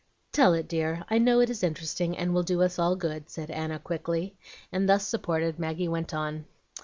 "Tell it, dear. I know it is interesting, and will do us all good," said Anna, quickly; and, thus supported, Maggie went on.